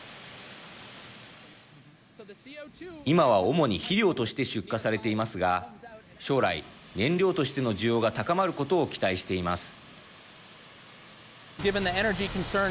今は主に肥料として出荷されていますが将来、燃料としての需要が高まることを期待しています。